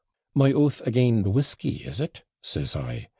'My oath again' the whisky, is it?' says I.